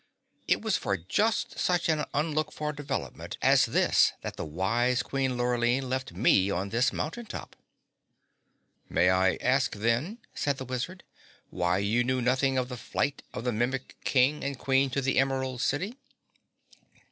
It was for just such an unlooked for development as this that the wise Queen Lurline left me on this mountain top." "May I ask then," said the Wizard, "why you knew nothing of the flight of the Mimic King and Queen to the Emerald City?"